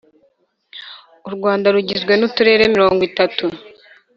U rwanda rugizwe nuturere mirongo itatu